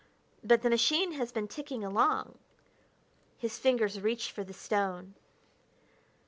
But the machine has been ticking along...." His fingers reached for the stone.